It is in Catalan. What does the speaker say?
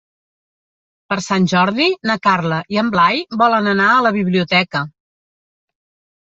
Per Sant Jordi na Carla i en Blai volen anar a la biblioteca.